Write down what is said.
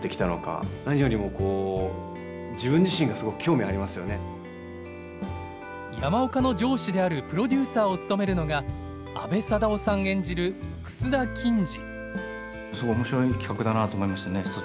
演じるのは山岡の上司であるプロデューサーを務めるのが阿部サダヲさん演じる楠田欽治。